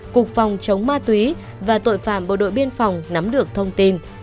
cục phòng chống ma túy và tội phạm bộ đội biên phòng nắm được thông tin